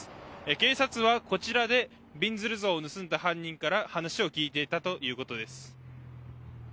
警察は、こちらでびんずる像を盗んだ犯人から話を聞いていたということです。